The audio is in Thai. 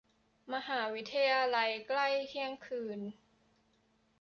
มหาวิทยาลัย ใกล้เที่ยงคืน